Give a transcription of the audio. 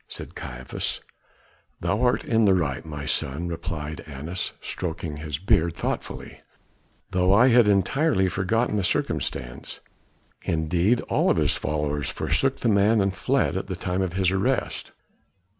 said Caiaphas. "Thou art in the right, my son," replied Annas, stroking his beard thoughtfully, "though I had entirely forgotten the circumstance; indeed all of his followers forsook the man and fled at the time of his arrest."